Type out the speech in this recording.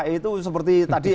itu seperti tadi